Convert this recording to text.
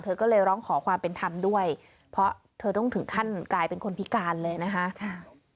ก็เลยร้องขอความเป็นธรรมด้วยเพราะเธอต้องถึงขั้นกลายเป็นคนพิการเลยนะคะ